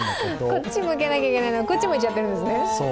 こっち向けなきゃいけないのに、こっち向いちゃってるんですね。